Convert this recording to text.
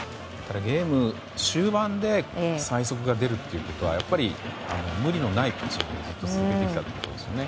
ゲーム終盤で最速が出るということはやっぱり無理のないピッチングをずっと続けてきたということですよね。